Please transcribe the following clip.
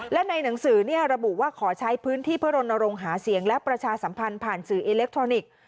และในหนังสือระบุว่าขอใช้พื้นที่เพื่อรณรงค์หาเสียงและประชาสัมพันธ์ผ่านสื่ออิเล็กทรอนิกส์